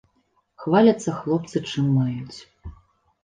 Хваляцца хлопцы чым маюць.